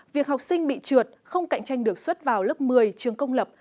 việc học sinh bị trượt không cạnh tranh được xuất vào lớp một mươi trường công lập